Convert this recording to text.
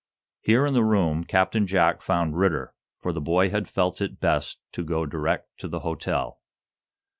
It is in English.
Here in the room Captain Jack found Ridder, for the boy had felt it best to go direct to the hotel.